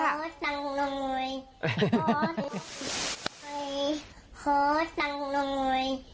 ขอตั้งหน่อย